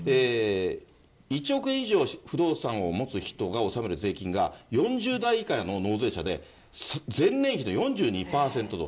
１億円以上の不動産を持つ人が納める税金が４０代以下の納税者で前年比の４２％増。